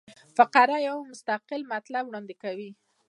فقره یو مستقل مطلب وړاندي کوي.